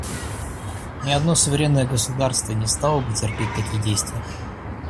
Ни одно суверенное государство не стало бы терпеть такие действия.